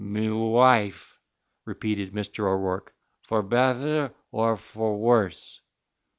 "Me wife," repeated Mr. O'Rourke, "for betther or for worse."